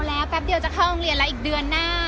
แล้วแป๊บเดียวจะเข้าโรงเรียนแล้วอีกเดือนหน้า